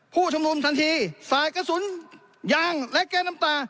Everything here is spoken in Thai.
ผู้ชุมนุมทันทีสายกระสุนยางและแก๊สน้ำตา